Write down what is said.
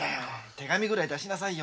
手紙ぐらい出しなさいよ。